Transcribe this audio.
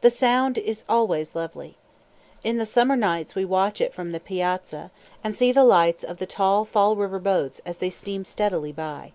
The Sound is always lovely. In the summer nights we watch it from the piazza, and see the lights of the tall Fall River boats as they steam steadily by.